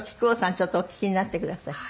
ちょっとお聞きになってください。